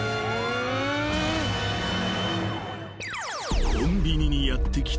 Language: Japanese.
［コンビニにやって来た男］